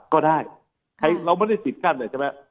ก็ได้เราไม่ได้ปิดกั้นเลยใช่ไหม